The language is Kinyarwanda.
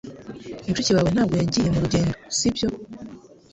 Mushiki wawe ntabwo yagiye mu rugendo, sibyo?